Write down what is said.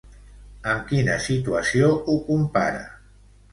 Amb quina situació ho compara?